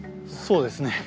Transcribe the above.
そうですね。